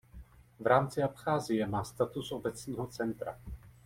V rámci Abcházie má status Obecního centra.